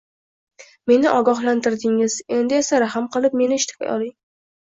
Meni ogohlantirdingiz, endi esa rahm qilib, meni ishga oling